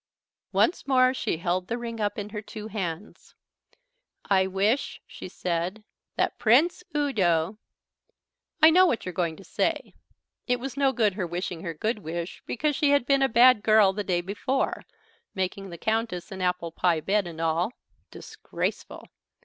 Once more she held the ring up in her two hands. "I wish," she said, "that Prince Udo " I know what you're going to say. It was no good her wishing her good wish, because she had been a bad girl the day before making the Countess an apple pie bed and all disgraceful!